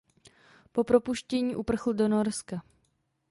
Po propuštění uprchl do Norska.